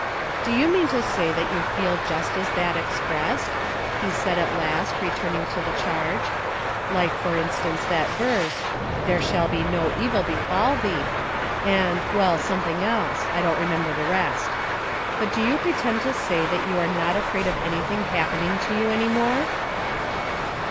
" Do you mean to say that you feel just as that expressed," he said at last, returning to the charge. " Like, for instance, that verse, * There shall be no evil befall thee — and — well, some thing else. I don't remember the rest. But do you pretend to say that you are not afraid of anything happening to you any more